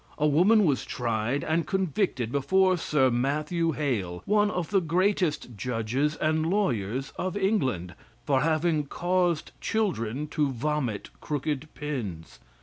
A woman was tried and convicted before Sir Matthew Hale, one of the greatest judges and lawyers of England, for having caused children to vomit crooked pins.